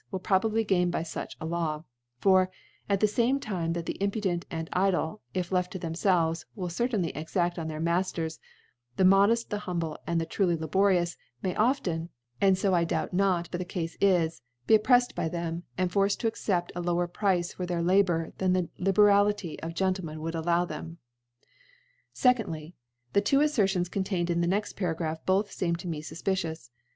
will probably gain by fuch a Law : for, at the fame time that the impudent and idlc^ if left to themfelves, will certainly cxaft on their Mafters , the modeft, the humble, and trufy lab#rious, may often (and fo I doubt not but the Cafe is) be oppreffed by them, and forced to accept a lower Price for their JLabour, than the Liberality of GenUemen would allow them, tidfyy The two Aflfertions contained in the xext Paragraph both feem to me fufpkious.